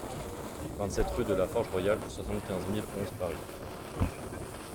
vingt-sept rue de la Forge Royale, soixante-quinze mille onze Paris